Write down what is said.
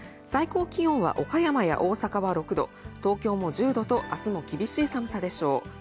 最高気温は岡山や大阪は６度、東京も１０度と、明日も厳しい寒さでしょう。